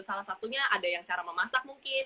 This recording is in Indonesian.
salah satunya ada yang cara memasak mungkin